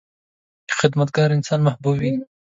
• خدمتګار انسان محبوب وي.